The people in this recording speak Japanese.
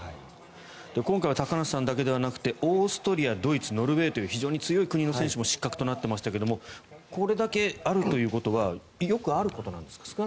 今回は高梨さんだけではなくてオーストリア、ドイツノルウェーという非常に強い国の選手も失格になっていましたがこれだけあるということはよくあることなんですか？